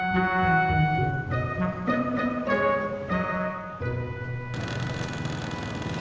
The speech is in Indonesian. gak ada de